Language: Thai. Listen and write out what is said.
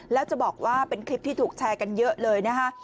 แล้วจะบอกว่าเป็นคลิปที่ถูกแชร์กันเยอะเลยนะคะ